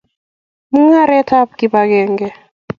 Mung'aret ab kipakenge